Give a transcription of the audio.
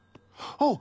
あっ！